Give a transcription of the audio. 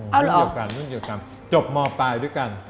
เอาเหรอรุ่นเดียวกันจบมปลายด้วยกัน